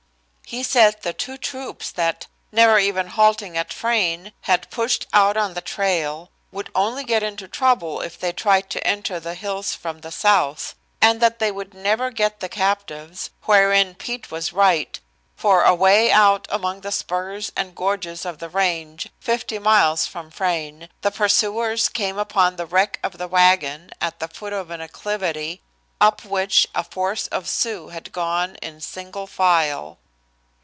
He said the two troops that, never even halting at Frayne, had pushed out on the trail, would only get into trouble if they tried to enter the hills from the South, and that they would never get the captives, wherein Pete was right, for away out among the spurs and gorges of the range, fifty miles from Frayne, the pursuers came upon the wreck of the wagon at the foot of an acclivity, up which a force of Sioux had gone in single file.